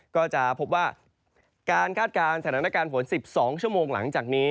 ก็จะพบว่าการคาดการณ์สถานการณ์ฝน๑๒ชั่วโมงหลังจากนี้